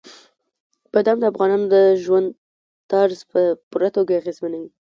بادام د افغانانو د ژوند طرز په پوره توګه اغېزمنوي.